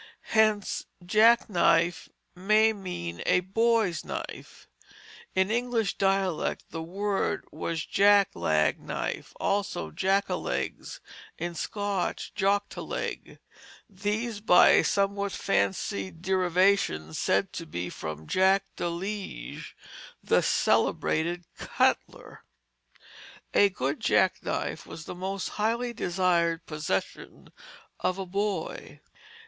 Hence jack knife may mean a boy's knife. In English dialect the word was jack lag knife, also jack a legs, in Scotch, jock te leg these by a somewhat fanciful derivation said to be from Jacques de Liege, the celebrated cutler. [Illustration: Old Jack knives] A good jack knife was the most highly desired possession of a boy.